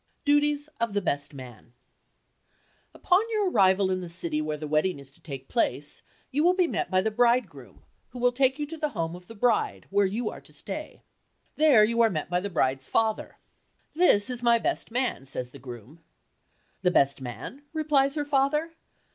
DUTIES OF THE BEST MAN Upon your arrival in the city where the wedding is to take place you will be met by the bridegroom, who will take you to the home of the bride where you are to stay. There you are met by the bride's father. "This is my best man," says the groom. "The best man?" replies her father.